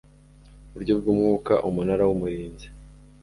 buryo bw umwuka Umunara w Umurinzi